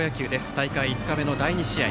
大会５日目の第２試合。